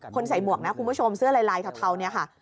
ใส่หมวกนะคุณผู้ชมเสื้อลายเทาเนี่ยค่ะ